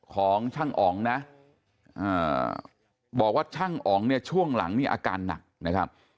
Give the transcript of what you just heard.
ของช่างอ๋องนะบอกว่าช่างอ๋องเนี่ยช่วงหลังนี่อาการหนักนะครับ